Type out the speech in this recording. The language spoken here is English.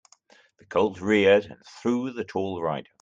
The colt reared and threw the tall rider.